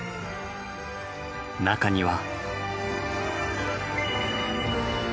中には。